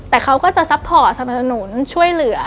แต่เขาก็จะซัพพอร์ตสนับสนุนช่วยเหลือ